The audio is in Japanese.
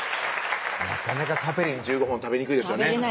なかなかカペリン１５本食べにくいですよね